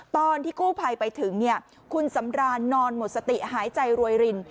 ตอนที่กู้ภัยไปถึงคุณสำรานนอนหมดสติหายใจรวยริน